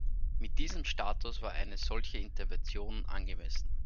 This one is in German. Mit diesem Status war eine solche Intervention angemessen.